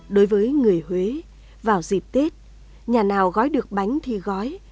đối với người huế vào dịp tết nhà nào gói được bánh thì gói